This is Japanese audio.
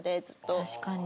確かに。